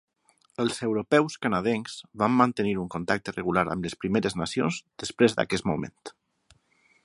Els europeus-canadencs van mantenir un contacte regular amb les Primeres Nacions després d'aquest moment.